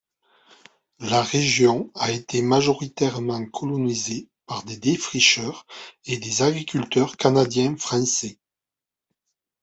La région a été majoritairement colonisée par des défricheurs et des agriculteurs canadiens français.